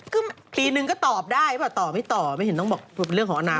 ก็ปีหนึ่งก็ตอบได้ต่อไม่ต่อไม่ต้องบอกเป็นเรื่องของอนาคต